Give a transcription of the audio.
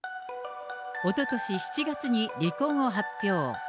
おととし７月に離婚を発表。